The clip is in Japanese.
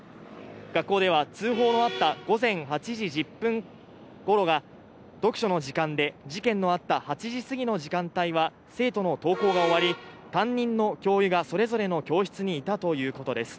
学校では通報のあった午前８時１０分ごろが読書の時間で事件のあった８時すぎの時間帯は生徒の登校が終わり、担任の教諭がそれぞれの教室にいたということです。